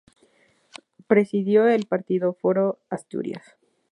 Presidió el partido Foro Asturias.